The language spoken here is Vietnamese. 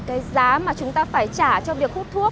cái giá mà chúng ta phải trả cho việc hút thuốc